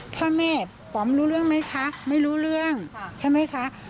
พ่อแม่ป๋อมรู้เรื่องไหมคะไม่รู้เรื่องใช่ไหมคะ